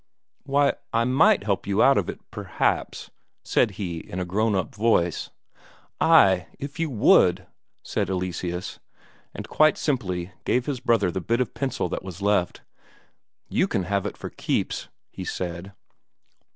"Why, I might help you out of it, perhaps," said he in a grown up voice. "Ay, if you would!" said Eleseus, and quite simply gave his brother the bit of pencil that was left. "You can have it for keeps," he said.